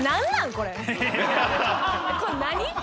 これ何？